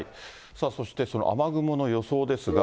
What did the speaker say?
そしてその雨雲の予想ですが。